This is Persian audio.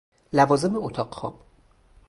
لوازم اتاق خواب: